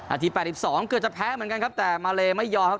๘๒เกือบจะแพ้เหมือนกันครับแต่มาเลไม่ยอมครับ